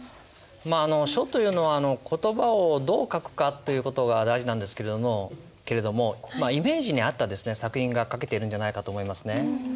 書というのは言葉をどう書くかという事が大事なんですけれどもイメージに合った作品が書けているんじゃないかと思いますね。